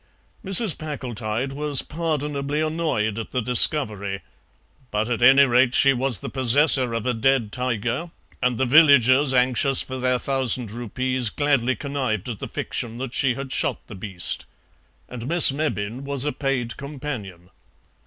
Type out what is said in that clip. Mrs. Packletide was pardonably annoyed at the discovery; but, at any rate, she was the possessor of a dead tiger, and the villagers, anxious for their thousand rupees, gladly connived at the fiction that she had shot the beast. And Miss Mebbin was a paid companion.